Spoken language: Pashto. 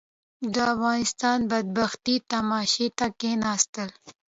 د افغانستان بدبختي تماشې ته کښېناستل.